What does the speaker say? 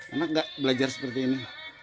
enak nggak belajar seperti ini